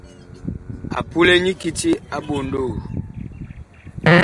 A pule nyi kiti a ɓondoo.